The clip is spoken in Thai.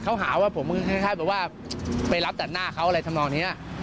เขาหาว่าผมคือคล้ายคล้ายแบบว่าไปรับแต่หน้าเขาอะไรทำลองเนี้ย